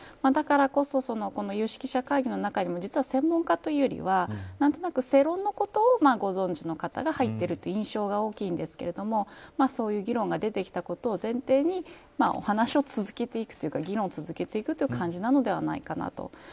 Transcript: だからこそこの有識者会議の中でも実は専門家というよりは何となく世論のことをご存じの方が入っているという印象が大きいんですがそういう議論が出てきたことを前提にお話を続けていくというか議論を続けていくというような感じではないかなと。